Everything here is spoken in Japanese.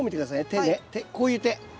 手ねこういう手。